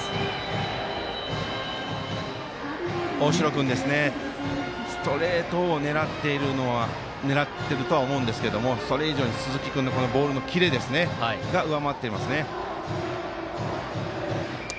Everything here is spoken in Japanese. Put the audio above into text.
大城君、ストレートを狙っているとは思うんですけどそれ以上に鈴木君のボールのキレが上回ってますね。